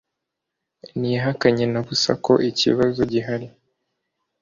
ntiyahakanye na busa ko iki kibazo gihari